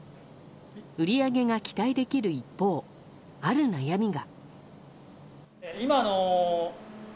売り上げが期待できる一方ある悩みが。